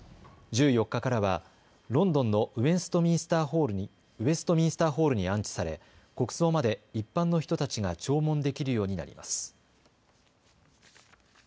１４日からはロンドンのウェストミンスターホールに安置され国葬まで一般の人たちが弔問できるようになります。